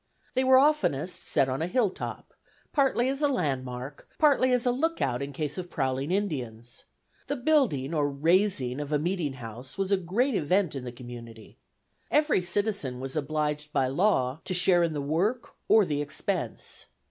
They were oftenest set on a hilltop, partly as a landmark, partly as a lookout in case of prowling Indians. The building or "raising" of a meeting house was a great event in the community. Every citizen was obliged by law to share in the work or the expense.